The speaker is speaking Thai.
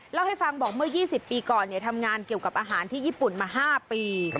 เล่าให้ฟังบอกเมื่อ๒๐ปีก่อนทำงานเกี่ยวกับอาหารที่ญี่ปุ่นมา๕ปี